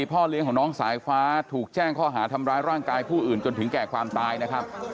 พ่อเลี้ยงของน้องสายฟ้าถูกแจ้งข้อหาทำร้ายร่างกายผู้อื่นจนถึงแก่ความตายนะครับ